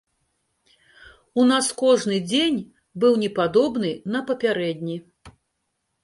У нас кожны дзень быў не падобны на папярэдні.